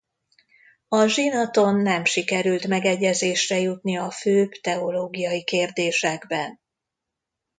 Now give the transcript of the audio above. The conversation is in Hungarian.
A zsinaton nem sikerült megegyezésre jutni a főbb teológiai kérdésekben.